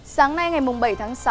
sáng nay ngày bảy tháng sáu